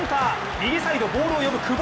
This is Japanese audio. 右サイド、ボールを呼ぶ久保。